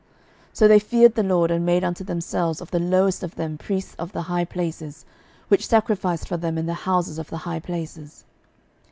12:017:032 So they feared the LORD, and made unto themselves of the lowest of them priests of the high places, which sacrificed for them in the houses of the high places.